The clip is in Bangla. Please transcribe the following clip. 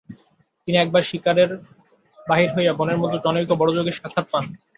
তিনি একবার শিকারে বাহির হইয়া বনের মধ্যে জনৈক বড় যোগীর সাক্ষাৎ পান।